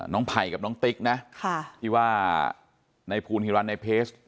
น้องไผ่กับน้องติ๊กนะค่ะที่ว่าในภูมิฮิรันในเพชร